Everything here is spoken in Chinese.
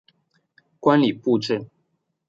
观礼部政。